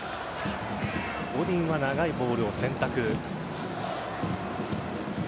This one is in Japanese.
ゴディンは長いボールを選択。